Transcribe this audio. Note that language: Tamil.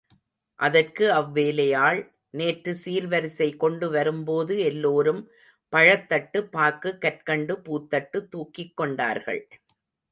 அதற்கு அவ் வேலையாள்— நேற்று சீர்வரிசை கொண்டு வரும்போது எல்லோரும், பழத்தட்டு, பாக்கு, கற்கண்டு, பூத்தட்டு தூக்கிக் கொண்டார்கள்.